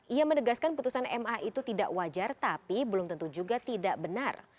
ia menegaskan putusan ma itu tidak wajar tapi belum tentu juga tidak benar